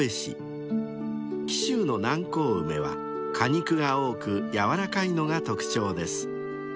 ［紀州の南高梅は果肉が多く柔らかいのが特徴です］